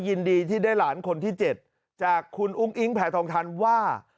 ยินดีที่ได้หลานคนที่๗จากคุณอุ้งอิงแผ่ทองทันว่า